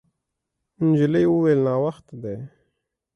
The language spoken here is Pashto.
نجلۍ وویل: «ناوخته دی.»